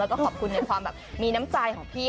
แล้วก็ขอบคุณในความแบบมีน้ำใจของพี่